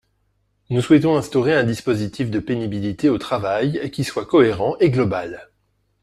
Nous souhaitons instaurer un dispositif de pénibilité au travail qui soit cohérent et global.